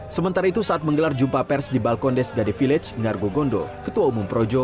sementara itu saat menggelar jumpa pers di balkon des gade village ngargogondo ketua umum projo